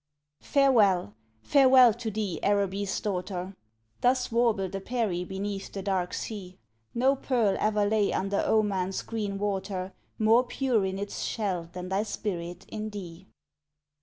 Farewell, farewell to thee, Araby's daughter! (Thus warbled a Peri beneath the dark sea;) No pearl ever lay under Oman's green water More pure in its shell than thy spirit in thee.